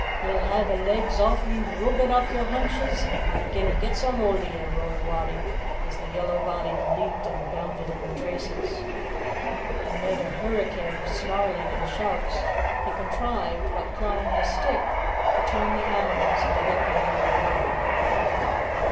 He'll hae the legs o' ye roogit aff yer henches gin he get's a haud o' ye!" roared Wattie, as the yellow body leaped and bounded in the traces. Amid a hurricane of snarling and shouts he contrived, by plying his stick, to turn the animals and to get them out of the yard.